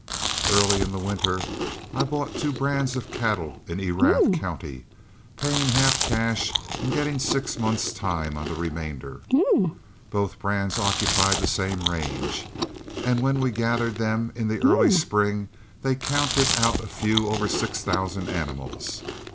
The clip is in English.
Early in the winter I bought two brands of cattle in Erath County, paying half cash and getting six months' time on the remainder. Both brands occupied the same range, and when we gathered them in the early spring, they counted out a few over six thousand animals.